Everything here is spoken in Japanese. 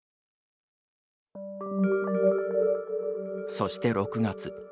そして６月。